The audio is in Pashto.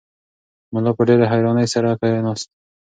ملا په ډېرې حیرانتیا سره کښېناست.